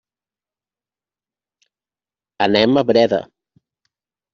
Anem a Breda.